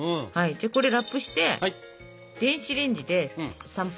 これラップして電子レンジで３分。